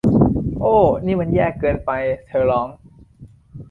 โอ้ นี่มัน แย่เกินไป ! เธอร้อง